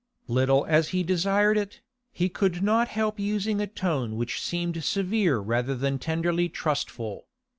Little as he desired it, he could not help using a tone which seemed severe rather than tenderly trustful.